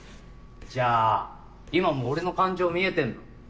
じゃあ今も俺の感情見えてんの？